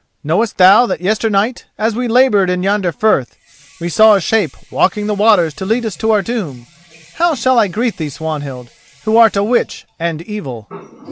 Knowest thou that yesternight, as we laboured in yonder Firth, we saw a shape walking the waters to lead us to our doom? How shall I greet thee, Swanhild, who art a witch and evil?"